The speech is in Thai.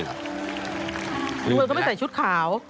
มึงก็ไม่ใส่ชุดขาว